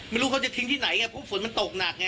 ไม่รู้เขาจะทิ้งที่ไหนไงเพราะฝนมันตกหนักไง